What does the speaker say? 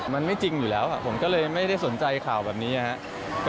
มันไม่จริงอยู่แล้วผมก็เลยไม่ได้สนใจข่าวแบบนี้นะครับ